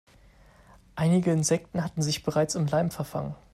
Einige Insekten hatten sich bereits im Leim verfangen.